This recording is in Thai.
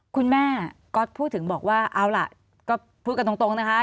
คุณแม่ก๊อตพูดถึงบอกว่าเอาล่ะก็พูดกันตรงนะคะ